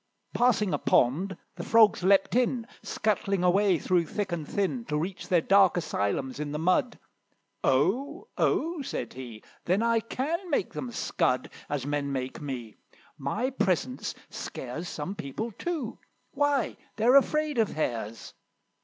Passing a pond, the Frogs leaped in, Scuttling away through thick and thin, To reach their dark asylums in the mud. "Oh! oh!" said he, "then I can make them scud As men make me; my presence scares Some people too! Why, they're afraid of Hares!